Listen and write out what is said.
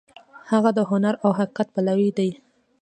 هغه د هنر او حقیقت پلوی دی.